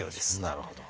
なるほど。